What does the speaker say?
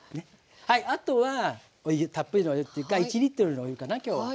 あとはたっぷりのお湯っていうか１のお湯かな今日は。